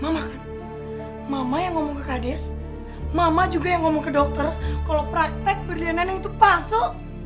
mama kan mama yang ngomong ke kades mama juga yang ngomong ke dokter kalau praktek berdana itu palsu